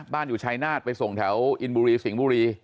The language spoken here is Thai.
อยู่ชายนาฏไปส่งแถวอินบุรีสิงห์บุรี